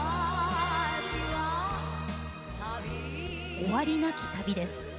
「終りなき旅」です。